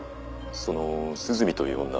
その涼見という女